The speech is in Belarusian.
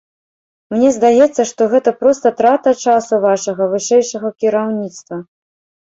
Мне здаецца, гэта проста трата часу вашага вышэйшага кіраўніцтва.